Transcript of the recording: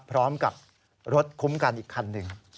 พร้อมกับรถคุ้มกันอีกคันหนึ่ง